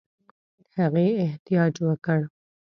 هغې احتجاج وکړ.